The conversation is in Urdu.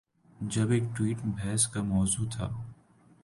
جب ایک ٹویٹ بحث کا مو ضوع تھا۔